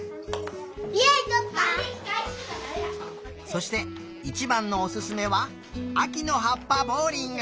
そしていちばんのおすすめはあきのはっぱボウリング。